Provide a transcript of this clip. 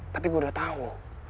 tapi gue udah tau